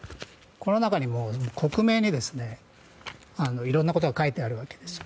この中に克明に色んなことが書いてあるわけです。